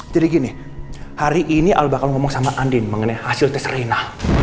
jadi gini hari ini al bakal ngomong sama andin mengenai hasil tes rina